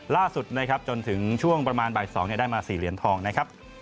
ล่าสุดนะครับจนถึงช่วงประมาณบ่าย๒ได้มา๔เหรียญทองนะครับ